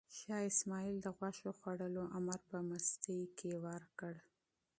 شاه اسماعیل د غوښو خوړلو امر په مستۍ کې ورکړ.